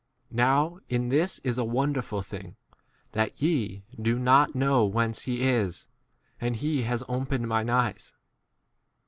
Now in this ia a wonderful thing, that ye ' do not know whence he is, and he has 31 opened mine eyes.